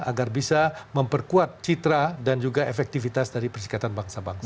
agar bisa memperkuat citra dan juga efektivitas dari persikatan bangsa bangsa